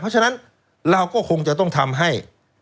เพราะฉะนั้นเราก็คงจะต้องทำให้